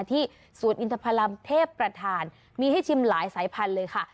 ที่สวนอินทพรรมเทพประธานมีให้ชิมหลายสายพันธุ์เลยค่ะ